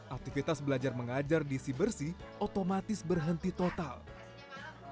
aktivitas belajar mengajar di si bersih otomatis berhenti total